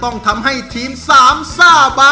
น้องไมโครโฟนจากทีมมังกรจิ๋วเจ้าพญา